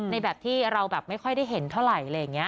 ในแบบที่เราไม่ค่อยได้เห็นเท่าไหร่